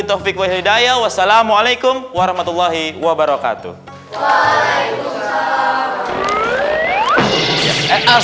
taufiq wa hidayah wassalamu'alaikum warahmatullahi wabarakatuh waalaikumsalam